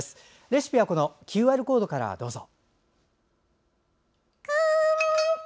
レシピはＱＲコードからどうぞ。